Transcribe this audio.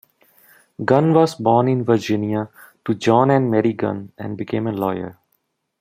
Gunn was born in Virginia to John and Mary Gunn and became a lawyer.